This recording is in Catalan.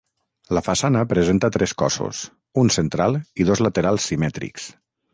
La façana presenta tres cossos, un central i dos laterals simètrics.